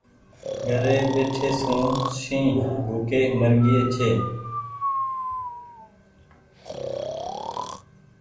گھري ٻيٺي سون شنهن ڀوُڪي مرگيئي ڇي۔